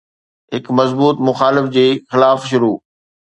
هڪ مضبوط مخالف جي خلاف شروع